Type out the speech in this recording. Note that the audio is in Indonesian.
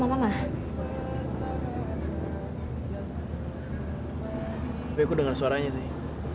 tapi aku dengar suaranya sih